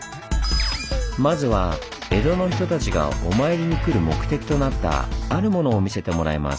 まずは江戸の人たちがお参りに来る目的となったあるものを見せてもらいます。